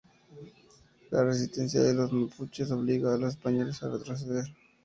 La resistencia de los mapuches obliga a los españoles a retroceder.